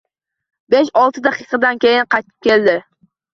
Besh-olti daqiqadan keyin qaytib keldi